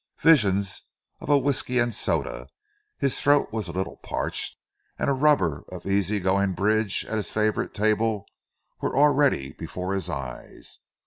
Visions of a whisky and soda his throat was a little parched and a rubber of easy going bridge at his favourite table, were already before his eyes.